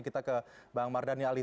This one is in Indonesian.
kita ke bang mardhani ali